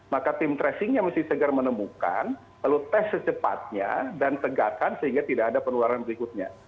maka tim tracingnya mesti segera menemukan lalu tes secepatnya dan tegakkan sehingga tidak ada penularan berikutnya